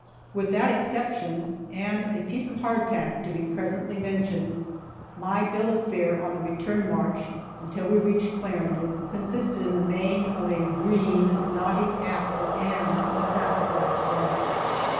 With that exception, (and a piece of hardtack, to be presently mentioned,) my bill of fare on the return march until we reached Clarendon consisted, in the main, of a green, knotty apple, and some sassafras buds.